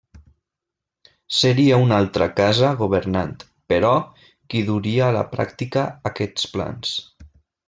Seria una altra casa governant, però, qui duria a la pràctica aquests plans.